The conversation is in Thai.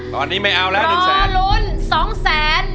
ตอนนี้ไม่เอารอลุ้น๒แสน